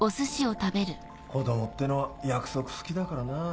子供ってのは約束好きだからなぁ。